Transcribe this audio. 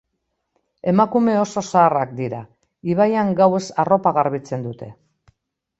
Emakume oso zaharrak dira, ibaian gauez arropa garbitzen dute.